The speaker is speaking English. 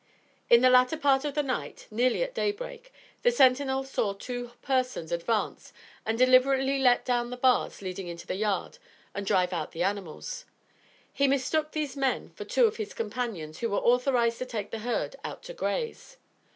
In the latter part of the night, nearly at daybreak, the sentinel saw two persons advance and deliberately let down the bars leading into the yard and drive out the animals. He mistook these men for two of his companions who were authorized to take the herd out to graze.